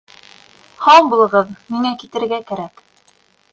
Һау булығыҙ, миңә китергә кәрәк